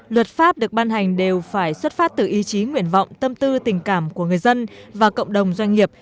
luật pháp được ban hành đều phải xuất phát từ ý chí nguyện vọng tâm tư tình cảm của người dân và cộng đồng doanh nghiệp